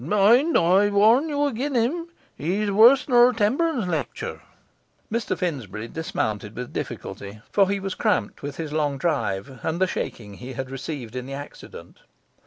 Mind, I warn you agin him; he's worse nor a temperance lecturer.' Mr Finsbury dismounted with difficulty, for he was cramped with his long drive, and the shaking he had received in the accident.